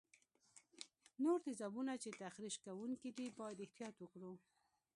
نور تیزابونه چې تخریش کوونکي دي باید احتیاط وکړو.